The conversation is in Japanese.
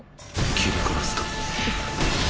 斬り殺すと。